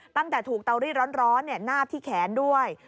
ตั้งแต่ถูกเตารีดร้อนนาบที่แขนด้วย